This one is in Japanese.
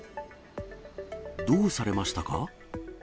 どうされましたか？